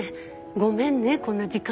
ごめんねこんな時間に。